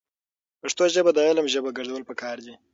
پښتو ژبه د علم ژبه ګرځول پکار دي.